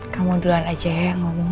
kamu duluan aja ya ngomongnya